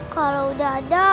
kalau udah ada